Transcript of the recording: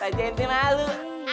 baca entik malu